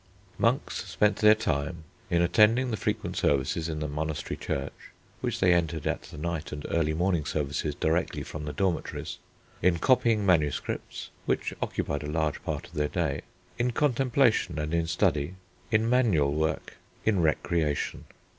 _] Monks spent their time in attending the frequent services in the monastery church, which they entered at the night and early morning services directly from the dormitories; in copying manuscripts, which occupied a large part of their day; in contemplation and in study; in manual work; in recreation.